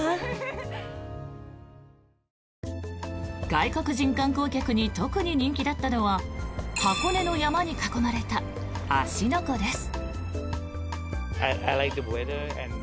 外国人観光客に特に人気だったのは箱根の山に囲まれた芦ノ湖です。